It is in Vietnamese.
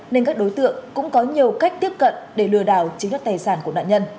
nên các đối tượng cũng có nhiều cách tiếp cận để lừa đảo chiếm đất tài sản của nạn nhân